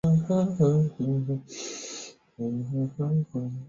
他很高兴；但竟给那走来夜谈的老和尚识破了机关